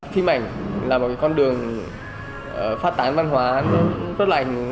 phim ảnh là một con đường phát tán văn hóa rất lành